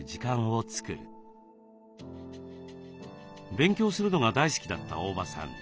勉強するのが大好きだった大庭さん。